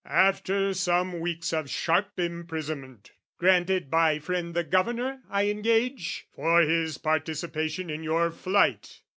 "After some weeks of sharp imprisonment..." " Granted by friend the Governor, I engage "" For his participation in your flight!